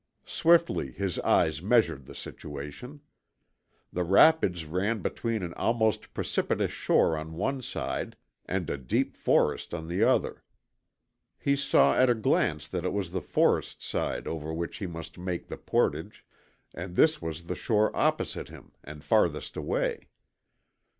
Swiftly his eyes measured the situation. The rapids ran between an almost precipitous shore on one side and a deep forest on the other. He saw at a glance that it was the forest side over which he must make the portage, and this was the shore opposite him and farthest away.